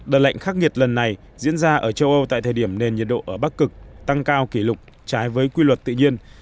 đợt lệnh khắc nghiệt lần này diễn ra ở châu âu tại thời điểm nền nhiệt độ ở bắc cực tăng cao kỷ lục trái với quy luật tự nhiên